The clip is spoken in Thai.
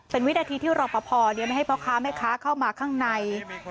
เป็นวินาทีที่รอปภไม่ให้พ่อค้าแม่ค้าเข้ามาข้างใน